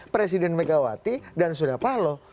presiden megawati dan suria pahlaw